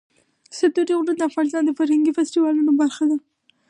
ستوني غرونه د افغانستان د فرهنګي فستیوالونو برخه ده.